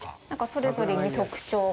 それぞれに特徴が？